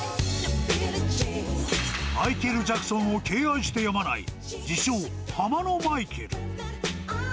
マイケル・ジャクソンを敬愛してやまない、自称、ハマのマイケル。